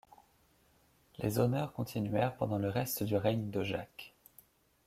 Les honneurs continuèrent pendant le reste du règne de Jacques.